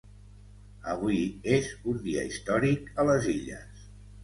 Avui és un dia històric a les Illes.